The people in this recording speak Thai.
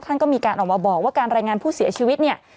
ท่านก็มีการออกมาบอกว่าการรายงานผู้เสียชีวิตเนี่ย